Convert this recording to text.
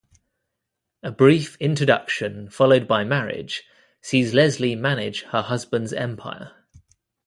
A brief introduction followed by marriage sees Leslie manage her husband's empire.